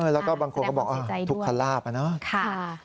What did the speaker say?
แล้วก็บางคนก็บอกทุกคนล่าไปเนอะ